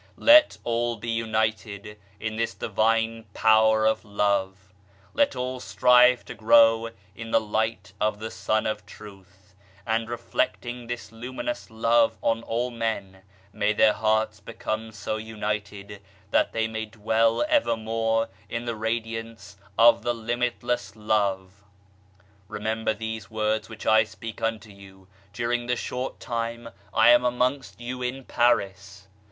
Let all be united in this Divine Power of Love ! Let all strive to grow in the Light of the Sun of Truth, and reflecting this luminous Love on all men, may their hearts become so united that they may dwell evermore in the radiance of the limitless Love. Remember these words which I speak unto you, during the short time I am amongst you in Paris.